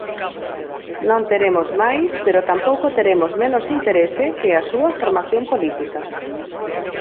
Non teremos máis pero tampouco teremos menos interese que a súa formación política.